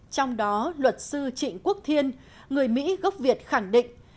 trong đó luật sư trịnh quốc thiên người mỹ gốc việt khẳng định